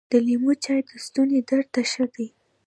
د لیمو چای د ستوني درد ته ښه دي .